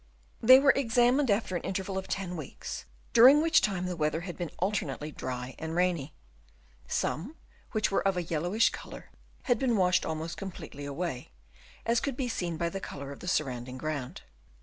They were examined after an interval of 10 Chap. VI. CASTINGS BLOWN TO LEEWARD. 289 weeks, during which time the weather had been alternately dry and rainy. Some, which were of a yellowish colour had been washed almost completely away, as could be seen by the colour of the surrounding ground.